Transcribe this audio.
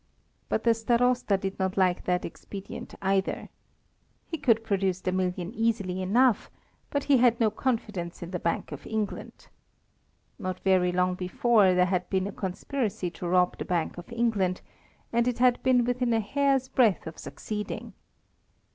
But the Starosta did not like that expedient either. He could produce the million easily enough, but he had no confidence in the Bank of England. Not very long before there had been a conspiracy to rob the Bank of England, and it had been within a hair's breadth of succeeding.